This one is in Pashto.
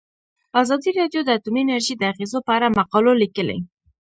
ازادي راډیو د اټومي انرژي د اغیزو په اړه مقالو لیکلي.